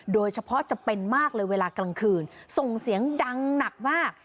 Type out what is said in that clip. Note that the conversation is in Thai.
จะเป็นมากเลยเวลากลางคืนส่งเสียงดังหนักมาก